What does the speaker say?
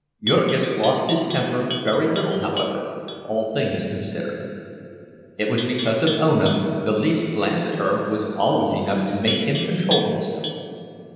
Jurgis lost his temper very little, however, all things considered. It was because of Ona; the least glance at her was always enough to make him control himself.